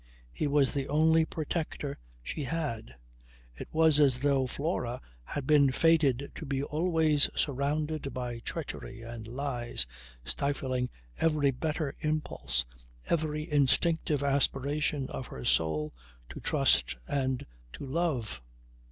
He was the only protector she had. It was as though Flora had been fated to be always surrounded by treachery and lies stifling every better impulse, every instinctive aspiration of her soul to trust and to love.